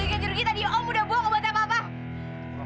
bagi kejar kita dia om udah buang obat apa apa